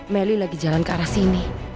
melly lagi jalan ke arah sini